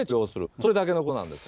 それだけのことなんですよ。